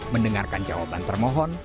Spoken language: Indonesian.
mendengarkan jawaban termohon